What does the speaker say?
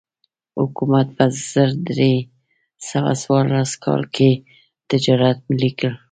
حکومت په زر درې سوه څوارلس کال کې تجارت ملي کړ.